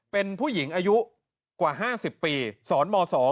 เป็นผู้หญิงอายุกว่า๕๐ปีสอนม๒